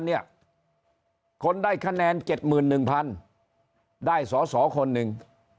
อันนี้คนได้คะแนนเจ็ดหมื่นหนึ่งพันได้สอสอคนหนึ่ง